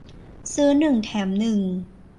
ซื้อหนึ่งแถมหนึ่ง